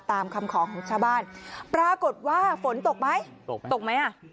ตามคำขอของชาวบ้านปรากฏว่าฝนตกไหมตกไหมอ่ะ